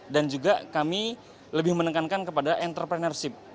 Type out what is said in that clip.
dan juga kami lebih menekankan kepada entrepreneurship